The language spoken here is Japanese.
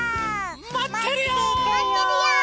まってるよ！